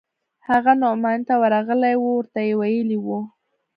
هغه نعماني ته ورغلى و ورته ويلي يې و.